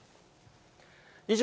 以上、